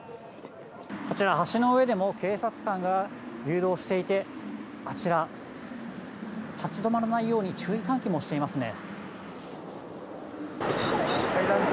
こちら、橋の上でも警察官が誘導していてあちら、立ち止まらないように注意喚起もしていますね。